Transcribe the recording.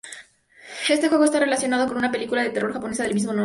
Este juego está relacionado con una película de terror japonesa del mismo nombre.